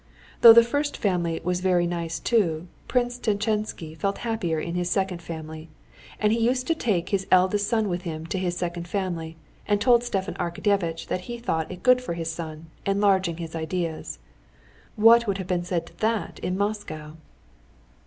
Though the first family was very nice too, Prince Tchetchensky felt happier in his second family; and he used to take his eldest son with him to his second family, and told Stepan Arkadyevitch that he thought it good for his son, enlarging his ideas. What would have been said to that in Moscow?